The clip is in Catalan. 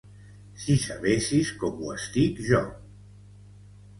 —Si sabessis com ho estic jo…